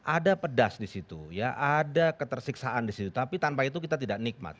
ada pedas disitu ya ada ketersiksaan disitu tapi tanpa itu kita tidak nikmat